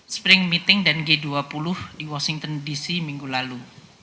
spring meeting dan g dua puluh di washington dc minggu lalu